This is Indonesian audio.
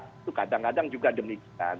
itu kadang kadang juga demikian